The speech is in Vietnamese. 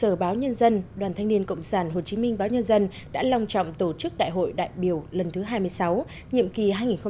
trụ sở báo nhân dân đoàn thanh niên cộng sản hồ chí minh báo nhân dân đã long trọng tổ chức đại hội đại biểu lần thứ hai mươi sáu nhiệm kỳ hai nghìn một mươi bảy hai nghìn một mươi chín